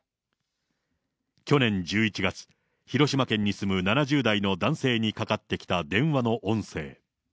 去年１１月、広島県に住む７０代の男性にかかってきた電話の音声。